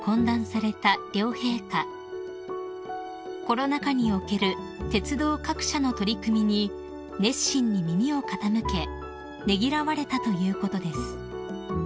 ［コロナ禍における鉄道各社の取り組みに熱心に耳を傾けねぎらわれたということです］